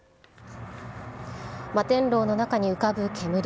摩天楼の中に浮かぶ煙。